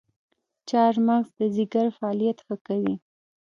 چارمغز د ځیګر فعالیت ښه کوي.